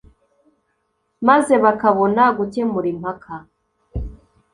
maze bakabona gukemura impaka.